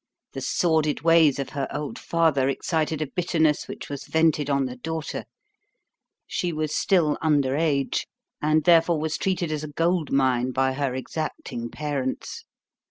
The sordid ways of her old father excited a bitterness which was vented on the daughter. She was still under age, and therefore was treated as a gold mine by her exacting parents.